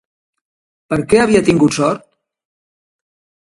Per què havia tingut sort?